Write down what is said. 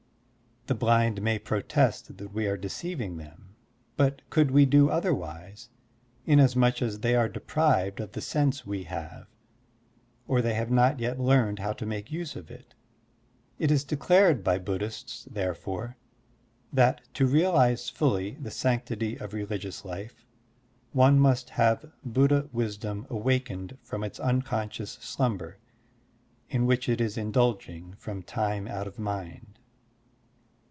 The blind may protest that we are deceiving Digitized by Google 74 SERMONS OP A BUDDHIST ABBOT them; but could we do otherwise, inasmuch as they are deprived of the sense we have, or they have not yet learned how to make use of it? It is declare by Buddhists, therefore, that to realize ftilly the sanctity of religious life one must have Buddha wisdom awakened from its unconscious sltmiber in which it is indulging from time out of mind.